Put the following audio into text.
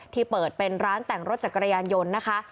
ที่เปิดเป็นร้านแต่งรถจักรยานยนต์นะคะ